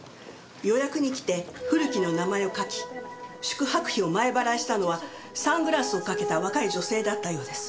予約に来て古木の名前を書き宿泊費を前払いしたのはサングラスをかけた若い女性だったようです。